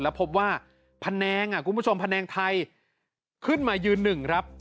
และพบว่าพนังคุณผู้ชมพนังไทยขึ้นมายืน๑ครับ